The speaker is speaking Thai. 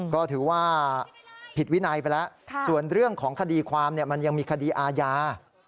ก็ถือว่าผิดวินัยไปแล้วส่วนเรื่องของคดีความมันยังมีคดีอาญา